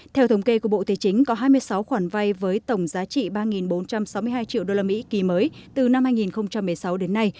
theo thống kê của bộ thế chính có hai mươi sáu khoản vay với tổng giá trị ba bốn trăm sáu mươi hai triệu usd kỳ mới từ năm hai nghìn một mươi sáu đến nay